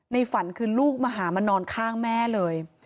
ฝันคือลูกมาหามานอนข้างแม่เลย